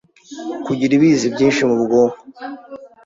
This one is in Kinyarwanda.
Kugira ibizi byinshi mu bwonko